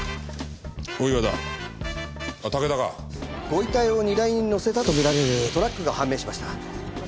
ご遺体を荷台に載せたと見られるトラックが判明しました。